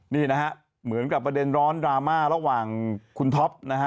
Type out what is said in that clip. นี่นะฮะเหมือนกับประเด็นร้อนดราม่าระหว่างคุณท็อปนะฮะ